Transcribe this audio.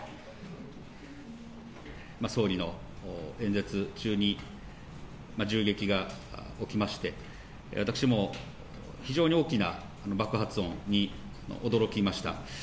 総理の演説中に銃撃が起きまして、私も非常に大きな爆発音に驚きました。